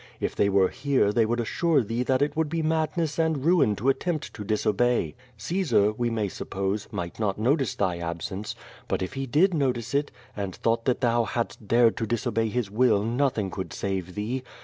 If they were here they would assure thee that it would be madness and ruin to attempt to dis obey. Caesar, we may suppose, might not notice thy ab sence, but if he did notice it, and thought that thou hadst dared to disobey his will nothing could save thee.